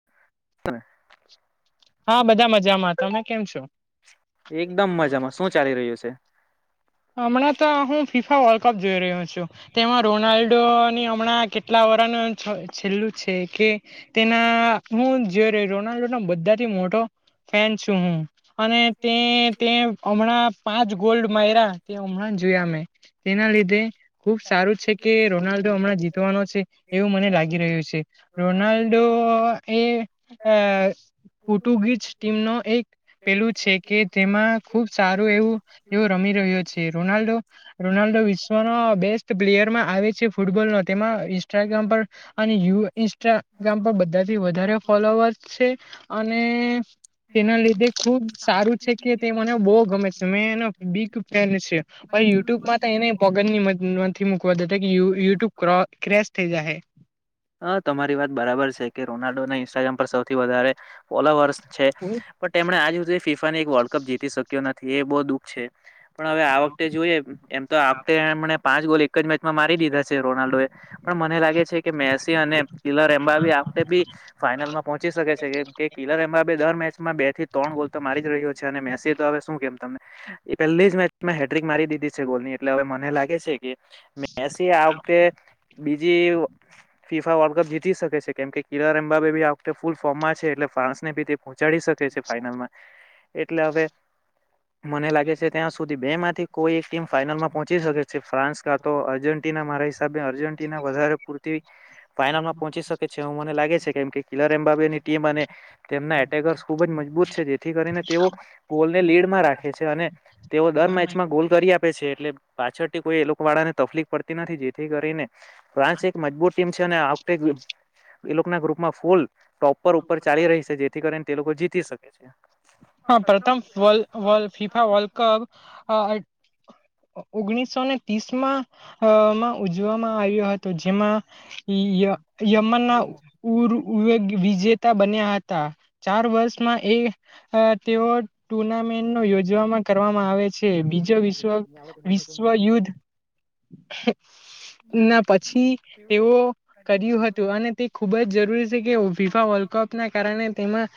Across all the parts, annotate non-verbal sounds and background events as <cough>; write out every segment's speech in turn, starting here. <inaudible> હા બધા મજામાં. તમે કેમ છો? એકદમ મજામાં શું ચાલી રહ્યું છે હમણાં તો હું ફિફા વર્લ્ડ કપ જોઈ રહ્યો છું. તેમાં રોનાલ્ડોની હમણાં કેટલા વરહનું છ છેલ્લું છે કે તેના હું <unintelligible> બધાથી મોટો ફેન છું હું અને તે તે હમણાં પાંચ ગોલ્ડ માયરા તે હમણાં જોયા મેં તેના લીધે ખુબ સારું છે કે રોનાલ્ડો હમણાં જીતવાનો છે એવું મને લાગી રહ્યું છે. રોનાલ્ડો એ અ પોર્ટુગીજ ટીમ નો એક પેલું છે કે તેમાં ખુબ સારું એવું તેઓ રમી રહ્યો છે રોનાલ્ડો રોનાલ્ડો વિ શ્વ બેસ્ટ પ્લેયરમાં આવે છે. ફૂટબોલનો તેમાં ઇન્સ્ટાગ્રામ પર અને યુ ઇન્સ્ટા ગામ પર બધાથી વધારે ફોલોવર્સ છે અને તેના લીધે ખુબ સારું છે કે તે મને બો ગમે છે મે એનો બિગ ફેન છે. યુટ્યુબમાં તો એને પગ નથી મુકવા દેતા કે યુ યુટ્યુબ ક્રો ક્રેશ થઈ જશે. હ તમારી વાત બરાબર છે કે રોનાલ્ડો નહી ઇનસ્ટાગ્રામ પર સૌથી વધારે ફોલોવર્સ છે. પણ તેમણે આજ હુધી એક વર્લ્ડ કપ જીતી શક્યો નથી એ બો દુઃખ છે. પણ હવે આ વખતે જોઈએ એમ તો આ વખતે એમડે પાંચ ગોલ એક જ મેચમાં મારી દીધા છે. રોનાલ્ડો એ મને લાગે છે કે મેસી અને કિલરમ્બાબીતે બી ફાઈનલમાં પહોંચી શકે છે કેમ કે કિલર એમ્બા દર મેચમા બે થી ત્રણ, ગોલ તો મારી જ રહ્યો છે, અને મેસી તો હવે શું કેમ તમને એ પહેલી જ મેચમાં હેડ્રિક મારી દીધી છે, ગોલની એટલે મને લાગે છે, કે મેસી આ વખતે બીજી ફીફા વર્લ્ડ કપ જીતી શકે છે, કેમ કે કીરાર એમ્બંબે ફૂલ ફોર્મા છે, એટલે ફાન્સનેી પહોંચાડી શકે છે, ફાઈનલમા એટલે હવે, મને લાગે છે, ત્યાં સુધી બે માંથી કોઈ એક ટીમ ફાાઈનલમાં પહોચીકે છે, ફ્રાન્સ કા તો અર્જેન્ટિના મારા હિસાબે અર્જ ટીના વધારે પૂરતી ફાાઈનલમાં પહોંચીકે છે, એવું મને લાગે છે, કેમ કે કિલર એમ્બાબેની ટીમ અને તેમના એટેકર્સ ખુબજ મજબૂત છે. જેથી કરીને તેઓ બોલ ને લીડમાં રાખે છે, અને તેઓ દર મેચમાં ગોલ કરી આપે છે. છે, એટલે પાછળથી કોઈ, એ લોકો વાળા ને તકલીફ પડતી નથી, જેથી કરીને ફ્રાન્સ એક મજબૂત ટીમ છે, અને આ વખતે એ લોકના ગ્રુપમાં ફૂલ ટોપર ઉપર ચાલી રહી, સે જેથી કરીને તે લોકો જીતી શકે છે. હા, પ્રથમ વલ, વલ ફીફા વર્લ્ડ કપ અ ઓગણીસો ને ત્રીસમા મ ઉજવામાં આવ્યો હતો. જેમાં યમનના ઉર વિજેતા બન્યા હતા, ચાર વર્ષમાં એ અ તેઓ ટુર્નામેન્ટનું યોજવામાં, કરવામાં આવે છે, બીજો વિશ્વ વિશ્વયુદ્ધ ના પછી, તેઓ કર્યું હતું, અને તે ખુબજ જરૂરી છે, કે ફીફા વલ્ કપ ના કારણે, તેમાં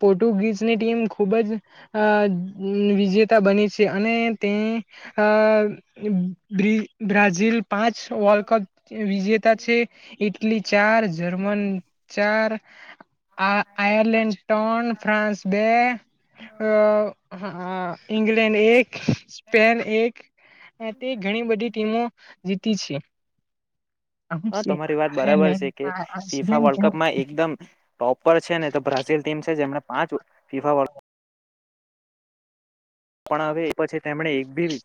પોર્ટુગીજની ટીમ ખૂબજ અ વિજેતા બને છે, અને તે આ <inaudible> બ્રાઝીલ પાંચ વર્લ્ડ કપ વિજેતા છે, ઈટલી ચાર જર્મન ચાર, આ આયરલેન્ડ ટન, ફ્રાન્સ બે અ ઇંગ્લેન્ડ, એક સ્પેન એક તે ઘણી બધી ટીમો જીતી છે. હા, તમારી વાત બરાબર છે, કે ફીફા વર્લ્ડ કપમા એકદમ પ્રોપર છે, ને તો બ્રાઝિલ ટીમ છે, જેમને પાંચ ફીફા વાળું પણ, હવે એ પછી તેમણે એક ભી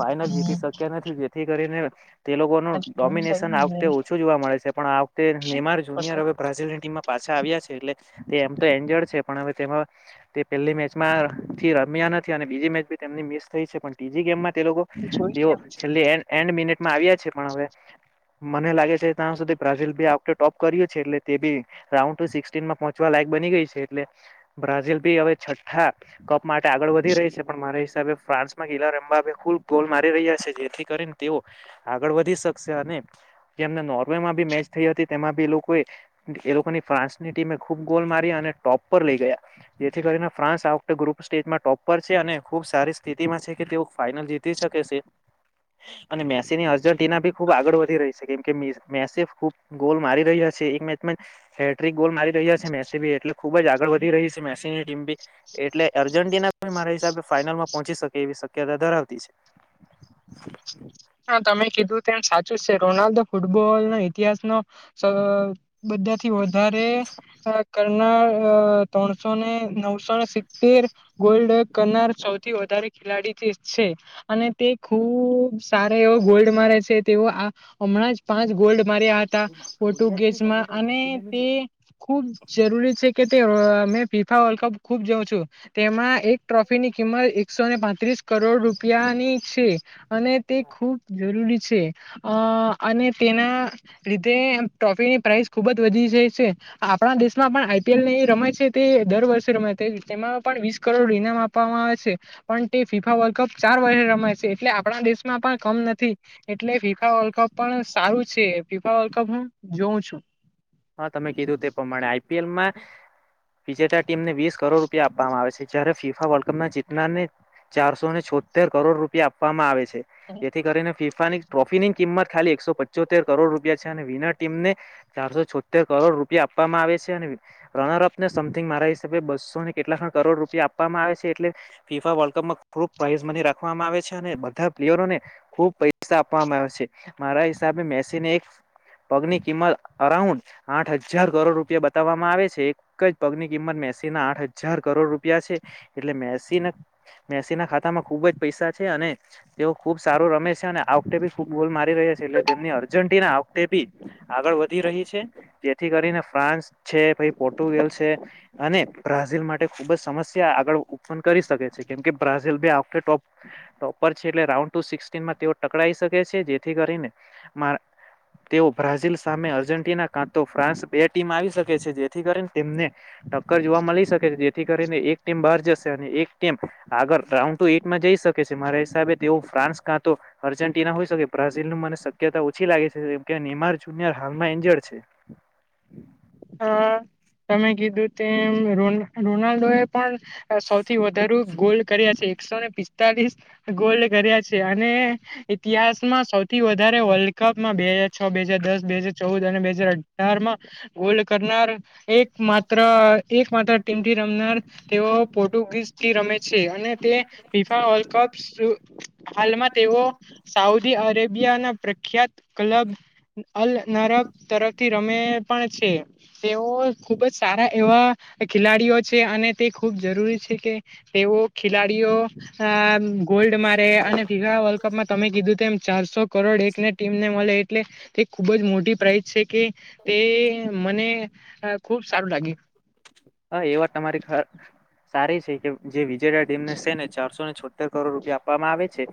ફાઈનલ જીતી શક્યા નથી, જેથી કરીને તે લોકોનું ડોમિનેશન, આ વખતે ઓછું જોવામા મળે છે, પણ આ વખતે નેમાર જુનિયર હવે, બ્રાઝિલની ટીમમાં પાછા આવ્યા છે, એટલે તે એમ તો એનજર્ડ છે, પણ હવે તેમાં તે પેલી મેચમાંથી રમ્યા નથ થી, અને બીજી મેચી ભી તેમની મિસ થઈ છે, પણ તીજી ગેમમાં તે લોકો જોઈ તેઓ છેલ્લે એન એન્ડ મિનિટ મા આવ્યા છે, પણ હવે મને લાગે છે, ત્યાં સુધી બ્રાઝીલ ભી આ વખતે ટોપ કર્યું છે, એટલે તે બી રાઉન ટુ સિક્સટીનમા પહોંચવા લાગ બની ગઈ છે, એટલે બ્રાઝિલ ભી હવે છઠ્ઠા કપ માટે આગળ વધ ધી રહી છે, પણ મારા હિસાબે ફ્રાન્સમાં ગીલા રમબાબે ખુબ ગોલ મારી રહ્યા છે, જેથી કરીને તેઓ આગળ આગળ વધી શકશે, અને જેમને નોર્વેમાં બી મેચ થઈ, હતી તેમાં બી એ લોકોને એ લોકોની ફ્રા ફ્રાન્સની ટીમે ખૂબ ગોલ, માર્યા અને ટોપ પર લઈ ગયા, જેથી કરીને ફ્રાસ આ વખતે ગ્રુપ સ્ટેજમાં ટોપ ઉપર છે, અને ખુબ સારી સ્થિતિમાં છે, કે તેઓ ફાાઈનલ જીતી શકે છે. અને મેસીની અર્જન્ટિના ભી ખુબ આગળ વધી રહી છે, કેમ કે મેસી ખુબ ગોલ મારી રહ્યા છે. છે, એક મેચમા જ હે ગોલ મારી રહ્યા છે, મેસી બી એટલે ખુબ જ આગળ વધી રહી છે, મેસીની ટીમ બી એટલે અર્જેન્ટિના મારા હિસાબે ફાઈનલમા પહોંચી શકે એવી શક્યતા ધરાવતી છે. હા, તમે કીધું તો એમ સાચું છે, રોનાલ્ડો ફૂટબોલનો ઇતિહાસનો સા બધા થી, વધારે કરનાર ત્રણસોને નવસો સિત્તેર, ગોલ્ડ કરનાર સૌથી વધારે ખેલાડી જે છે, અને તે ખુબ તારે એવો ગોલ્ડ મારે છે, તેવ આ હમણાં જ પાંચ ગોલ્ડ મારીયા હતા, ફટુગેજમાં અને તે ખુબ જરૂરી છે, કે તે રોલ મેં ફીફા વર્લ્ડ કપ ખુબ જોઉ છું તેમાં એક ટ્રોફીની કિંમત એકસોને પાંત્રીસ કરોડ રૂપિયાની છે અને તે ખૂબ જરૂરી છે અ અને તેના લીધે ટ્રોફીની પ્રાઇઝ ખુબ જ વધી જાય છે આપણા દેશમાં પણ આઈપીએલ ને એ રમાય છે તે દર વર્ષે રમા તેમાં પણ વીસ કરોડ ઇનામ આપવામાં આવે છે પણ તે ફીફા વર્લ્ડ કપ ચાર વર્ષે રમાય છે એટલે આપણા દેશ નાપાક કમ નથી એટલે ફીફા વલ્ડ કપ પણ સારું છે ફીફા વલ્ કપ હું જોઉં છું <inaudible> હા તમે કીધું તે પ્રમાણે આઈપીએલ માં વિજેતા ટીમને વીસ કરોડ રૂપિયા આપવામાં આવે છે જયારે ફીફા વર્લ્ડ કપ ના જીતનારને ચારસો ને છોતેર કરોડ રૂપિયા આપવામાં આવે છે જેથી કરીને ફિફાની ટ્રોફી ની કિંમત ખાલી એકસો પચોતેર કરોડ રૂપિયા છે અને વિનર ટીમને ચારસો છ ર કરોડ રૂપિયા આપવામાં આપવે છે અને રનરઅપ ને સમથિંગ મારા હિસાબે બસો ને કેટલા કરોડ રૂપિયા આપવામાં આવે છે એટલે ફીફા વર્લ્ડ કપમાં ખૂબ પ્રાઈઝ મની રાખવામાં આવે છે અને બધા પ્લેયરોને ખૂબ પૈસા આપવામાં આવે છે મારા હિસાબે મેસીને એક પગની કિંમત અરાઉન્ડ આઠ હજાર કરોડ રૂપિયા બતાવવામાં આવે છે એક જ પગની કિંમત મેસીના આઠ હજાર કરોડ રૂપિયા છે એટલે મેસી ને મેસી ના ખાતામાં ખુબ જ પૈસા છે અને તેઓ ખુબ સારો રમે છે ના ના આવખતેખબ ગોલ મારી રહ્યા છે એટલે તેમની અર્જન્ટિના આઉતે બી આગળ વધી રહી છે જેથી કરીને ફ્રાન્સ છે પાઈ પોર્ટુગલ છે અને બ્રાઝિલ માટે ખુબ જ સમસ્યા આગળ ઓપન કરી શકે છે કેમ કે બ્રાઝિલ આ વખતે ટોપ ટોપર છે એટલે રાઉન્ડ ટુ સિક્નમાં તેઓ ટકરાઈ શકે છે જેથી કરીને તેઓ બ્રાઝિલ સામે અર્જેન્ટિના તો ફ્રાન્સ બે ટીમ આવી શકે છે જેથી કરીને તેમને ટક્કર જોવા મળી શકે છે થી કરીને એક ટીમ બહાર જશે અને એક ટમ આગળ રાઉન્ડ ટુ એટમાં જઈ શકે છે મારા હિસાબે તેઓ ફ્રાસ કાં તો અર્જેન્ટિના હોઈ શકે બ્રાઝિલનું મને શક્યતા ઓછી લાગે છેમનેમાર જુનર હાલમાં ંજળ છે હા તમે કીધું તેમ રો રોનાલ્ડો એ પણ સૌ થી વધાર ગોલ કર્યા છે એકસો ને પિસ્તાલીસ ગોલ કર્યા છે અને ઇતિહાસમાં સૌથી વધારે વર્લ્ડ કપમાં બે હજાર છ બે હજાર દસ બે હાજર ચૌદ અને બે હાજર અઢાર માં ઓોલ્ડ કરનાર એક માત્ર એક માત્ર ટીમથી રમનાર તેઓ પોર્ટુગીઝથી રમે છે અને અને તે વલ્ કપ શુહાલમાં તેઓ સાઉદી અરેબિયાના પ્રખ્યાત કલબ અલ નરબ તરફથી રમે પણ છે તેઓ ખુબ જ સારા એવા ખેલાડીઓ છે અને તે ખૂબ જરૂરી છે કે તેઓ ખેલાડીઓ ત્યો અ ગોલ્ડ મારે અને ફીવા વર્લ્ડ કપમાં તમે કીધું એમ ચારસો કરોડ એકને ટીમને મળે એટલે એખુબ જ મોટી પ્રાઇઝ છે કે તે મને અ ખુબ સારું લાગ્યું હા, એ વાત તમારી ખરિ જે વિજયડા ડેમને સેને ચારસો ને છોતેર કરોડ રૂપિયા આપવામાં આવે છે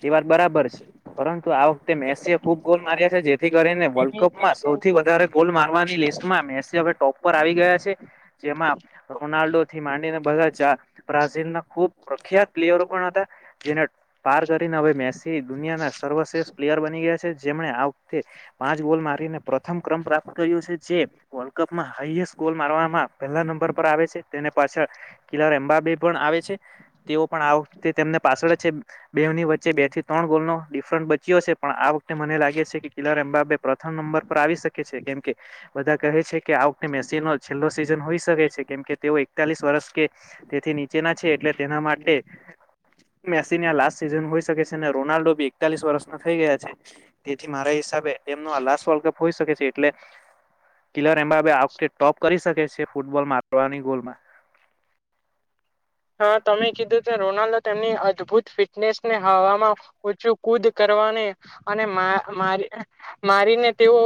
તે વાત બરાબર પરંતુ આ વખતે મેસી ખુબ ગોલ માર્યા છે જેથી કરીને વર્લ્ડ કપમાં સૌ થી વઘારે ગોલ મારવાની લિસ્ટમાં મેસી હવે ટોપ પર આવી ગયા છે જેમાં રોનાલ્ડો થી માંડીને બધાચા બ્રાઝિલ ના ખુબ પ્રખ્યાત પ્લેયરો પણ હતા જેને પાર કરીને હવે મેસી દુનિયા ના સર્વશ્રેષઠ પ્લેયર બની ગયા છે જેમણે આખતે પાંચ બોલ મારીને પ્રથમ ક્રમ પ્રાપ્ત કર્યો છે જે વર્લ્ડ કપમાં હાઈએસ્ટ ગોલ મારવામાં પહેલા નંબર પર આવે છે તેને પાછળ કિલાર અમબાબે પણ આવે છે તેઓ પણ તેમને પાછળ છે બેવુની વચ્ચે બેથી ત્રણ ગોલનો ડિફરન્ટ બચ્યો છે પણ આ વખતે મને લાગે છે કે કિલર એમબબે પ્રથમ નંબર ઉપર આવી શકે છે કેમ કે બધા કહે છે કે આખતે મેસીનો છેલ્લો સિઝન હોઈ શકે છે કેમ કે તેઓ એકતાલીસ વર્ષ કે તેથી નીચેના છે એટલે તેના માટે મેસીન લાસ્ટ સિઝન હોઈ શકે છે અનેને રોનાલ્ડો બી એકતાલીસ વર્ષના થઈ ગયા છે તેથી મારા હિસાબે એનો આ લાસ્ટ વર્લ્ડ કપ હોઈ, શકે છે એટલે કિલર એમ બા ટોપ કરી શકે છે, ફૂટબોલ મારવાની ગોલમા હા, તમે કીધું કે રોનાલ્ડો, તેમની અદભુત ફિટનેસને હવામાં, ચું કુદ કરવા ને અને, મા મારી મારીને, તેઓ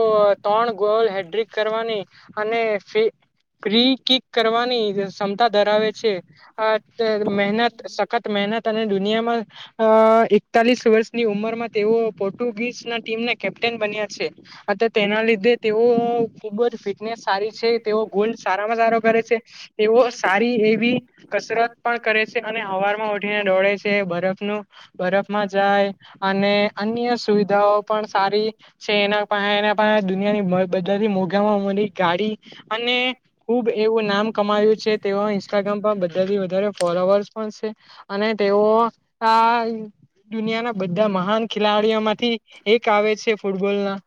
ત્રણ ગોલ, હેડ્રિક કરવાની અને ફી કિક કરવાની જે ક્ષમતા, ધરાવે છે. હ, મહેનત સખત મહેનત અને દુનિયામા અ એકતાલીસ, વર્ષની ઉંમરમા તેઓ પોર્ટુગીઝના ટીમને કેપ્ટન બન્યા છે. અ તેના લીધે તેઓ ખુબજ ફિટનેસ સારી છે, તેઓ ગોલ્ડ સારામાં સારો કરે છે. એવો, સારી એવી કસરત પણ કરે છે, અને હવારમાં ઉઠીને દોળે છે, બરફનું બરફમાં જાય અને અન્ય સુવિધાઓ પણ સારી છે, એના પાહે એના દુનિયાની બધા મોઘામાં મળી ગાડી, અને ખુબ એવું નામ કમાવ્યું તેવા ઇન્સ્ટાગ્રામ પર બધાથી ફોલોવર્સ પણ છે, અને તેઓ આ દુનિયાના બધા મહાન ખેલાડીઓ, માંથી એક આવે છે, ફૂટબોલ ના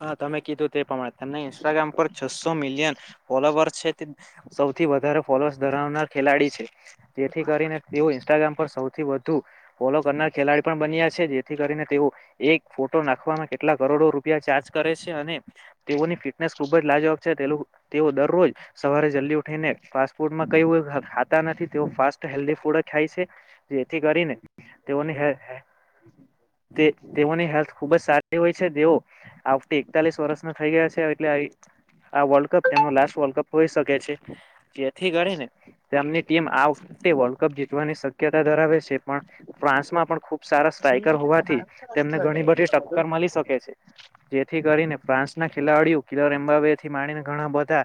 હા, તમે કીધું તે પ્રમાણે તને ઇન્સ્ટાગ્રામ પર છસો મિલિયન ફોલોવર્સ છે, તે સૌથી વધારે ફોલોઅર્સ ધરાવનાર ખેલાડી છે. જેથી કરીને, તેઓ ઇન્સ્ટાગ્રામ પર સૌથી, વધ ફોલો કરનાર ખેલાડી પણ બન્યા છે, જેથી કરીને તેઓ એક ફોટો નાખવામા કેટલા કરોડો રૂ ર ચાર્જ કરે છે, અને તેઓની ફિટનેસ ખુબજ લાજવાક છે, તેઓ દરરોજ સવારે જ ફ્લુ થઇ ને, ફૂડમા કઈ ખાતા ક નથી, તે ફાસ્ટ હેલ્ધી ફૂડ ખાય છે, જેથી કરીને તેઓની હે તેઓની હેલ્થ ખુબજ સારી હોય, છે, તેઓ આવતી એકતાલીસ વર્ષના થઇ ગયા છે, એટલે વલ્ડ કપનો લાસ વલ્ડ કપ હોઈ, શક છે જેથી કરીને તેમની ટીમ આ વખતે, વર્લ્ડ કપ જીતવાની શક્યતા ધરાવે છે. પણ ફ્રાન્સમાં પણ ખુબ સારા સ્ટ્રાઈકર હોવાથી, તેમને ઘણી બધી ટક્કર મળી શકે છે. જેથી કરીને ફ્રાન્સના ખેલાડીઓ, કિલર એમ્બબેથી માણીને ઘણા, બધા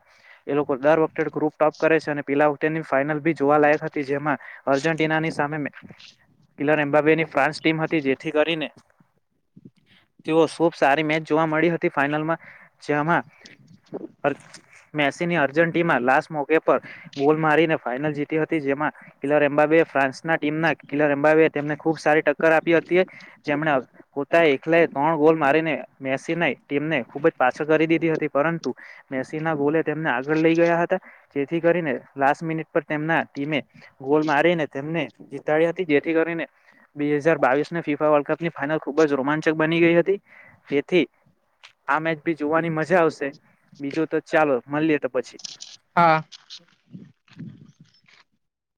એ લોકો દર વખતે, ગ્રુપ ટપ કરે છે, અને પીલા ઉની ફાઈનલ ભી જોવાલાયક હતી, જેમાં અર્જેન્ટિનાની સામે કિલન એમ્બાબેની ફ્રાન્સ ટીમ હતી, જેથી કરીને તેઓ ખૂબ સારી મેચ જોવા મળી હતી, ફાાઈનલમાં જેમાં મેચ ની અર્જન્ટિના લાસ મોકે પર ગોલ મારીને ફાઈનલ જીતી, હતી જેમાં કિલર એમ્બાબે ફ્રાન્સ ના ટીમના કિલર એ્બાબ તેમને ખુબ સારી ટક્કર આપી હતી, જેમને પોતા એકલે, ત્રણ ગોલ મેસી ટીમને ખુબ પાછળ કરી દીધી હતી, પરંતુ મેસી ના બોલે તેમને આગળ લઈ ગયા, હતા જેથી કરીને લાસ્ટ મિનિટ પર તેમના ટીમે ગોલ મારીને તેમને જીતાડી હતી, જેથી કરીને બે હજાર બાવીસ ના ફીફા વર્લ્ડ, કપની ફાઈનલ ખુબજ રોમાંચક બની ગઈ, હતી જેથી આ મેચ ભી જોવાની, મજા આવશે બીજું, તો ચાલો મળે તો પછી હા